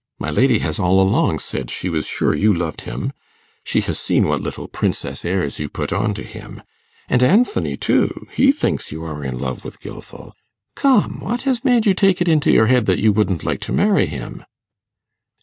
My lady has all along said she was sure you loved him she has seen what little princess airs you put on to him; and Anthony too, he thinks you are in love with Gilfil. Come, what has made you take it into your head that you wouldn't like to marry him?